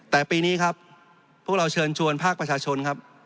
แต่ปีนี้ครับพวกเราเชิญชวนภาคประชาชนครับ